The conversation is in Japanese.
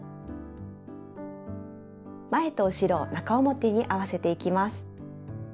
前と後ろを中表に合わせていきます。